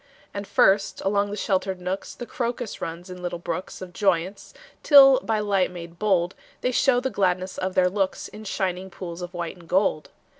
And first, along the sheltered nooks, The crocus runs in little brooks Of joyance, till by light made bold They show the gladness of their looks In shining pools of white and gold.